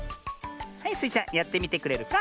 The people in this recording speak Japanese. はいスイちゃんやってみてくれるか？